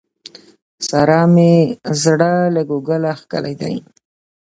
سارا مې زړه له کوګله کښلی دی.